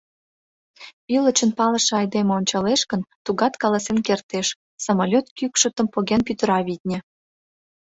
Ӱлычын палыше айдеме ончалеш гын, тугат каласен кертеш: самолёт кӱкшытым поген пӱтыра, витне.